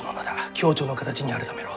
共著の形に改めろ。